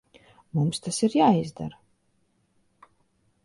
Mums tas ir jāizdara.